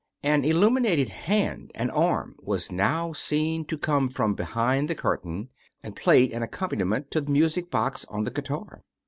An illuminated hand and arm was now seen to come from behind the curtain, and played an accompaniment to the music box on the guitar.